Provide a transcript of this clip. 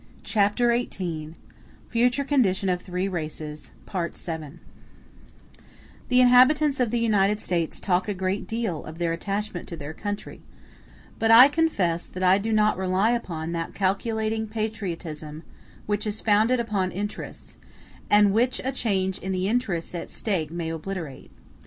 Chapter XVIII: Future Condition Of Three Races—Part VII The inhabitants of the United States talk a great deal of their attachment to their country; but I confess that I do not rely upon that calculating patriotism which is founded upon interest, and which a change in the interests at stake may obliterate.